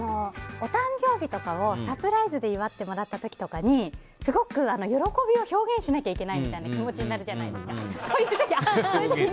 お誕生日とかをサプライズで祝ってもらった時とかにすごく喜びを表現しなきゃいけないみたいな気持ちになるじゃないですか。